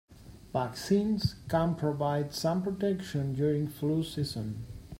Vaccines can provide some protection during flu season.